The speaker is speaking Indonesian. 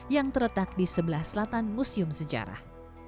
yang terletak di sebelah selatan museum sejarah